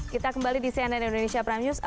kita kembali di cnn indonesia prime news